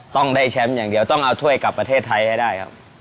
ต้องได้แชมป์อย่างเดียวต้องเอาถ้วยกลับประเทศไทยให้ได้ครับ